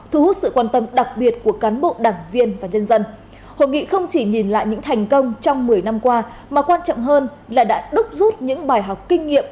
hội nghị không chỉ nhìn lại những thành công trong một mươi năm qua mà quan trọng hơn là đã đúc rút những bài học kinh nghiệm